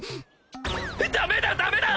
ダメだダメだ！